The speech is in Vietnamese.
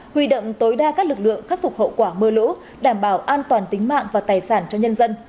huy động tối đa các lực lượng khắc phục hậu quả mưa lũ đảm bảo an toàn tính mạng và tài sản cho nhân dân